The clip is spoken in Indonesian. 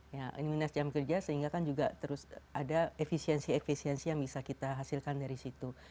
ya ini minus jam kerja sehingga kan juga terus ada efisiensi efisiensi yang bisa kita hasilkan dari situ